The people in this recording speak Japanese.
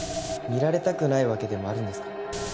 見られたくない訳でもあるんですか？